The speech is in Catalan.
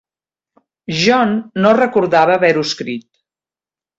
John no recordava haver-ho escrit.